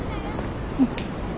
うん。